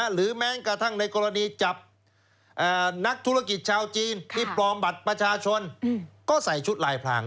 หรือแม้กระทั่งในกรณีจับนักธุรกิจชาวจีนที่ปลอมบัตรประชาชนก็ใส่ชุดลายพราง